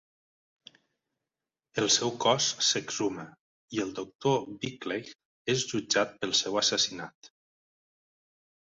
El seu cos s'exhuma i el doctor Bickleigh és jutjat pel seu assassinat.